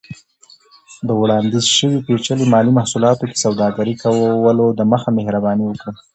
د وړاندیز شوي پیچلي مالي محصولاتو کې سوداګرۍ کولو دمخه، مهرباني وکړئ